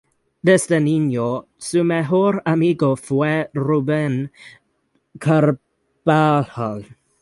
Desde niño, su mejor amigo fue Ruben Carbajal.